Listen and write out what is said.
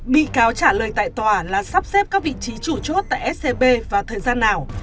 bị cáo trả lời tại tòa là sắp xếp các vị trí chủ chốt tại scb vào thời gian nào